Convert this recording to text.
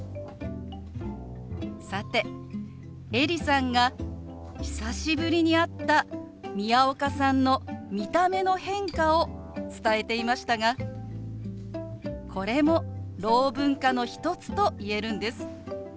さてエリさんが久しぶりに会った宮岡さんの見た目の変化を伝えていましたがこれもろう文化の一つと言えるんです。